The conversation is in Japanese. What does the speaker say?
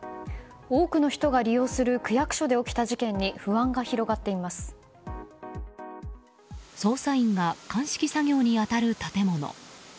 多くの人が利用する区役所で起きた事件に捜査員が鑑識作業に当たる建物。